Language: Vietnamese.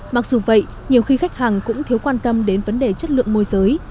mặc dù vậy nhiều khi khách hàng cũng thiếu quan tâm đến vấn đề chất lượng môi giới